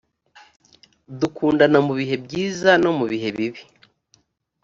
dukundana mubihe byiza no mu bihe bibi.